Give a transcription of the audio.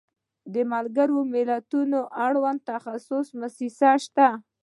د ملګرو ملتونو اړوند تخصصي موسسې شته.